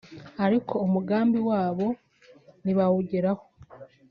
ariko umugambi wabo ntibawugeraho